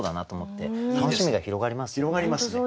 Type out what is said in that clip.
楽しみが広がりますね。